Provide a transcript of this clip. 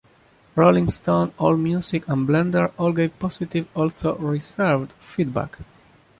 "Rolling Stone, Allmusic" and "Blender" all gave positive, although reserved, feedback.